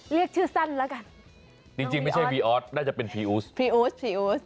เรียกชื่อสั้นแล้วกันจริงจริงไม่ใช่พีออสน่าจะเป็นพีอูสพีอูสพีอูส